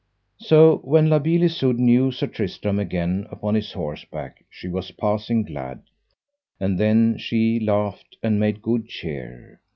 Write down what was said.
So when La Beale Isoud knew Sir Tristram again upon his horse back she was passing glad, and then she laughed and made good cheer.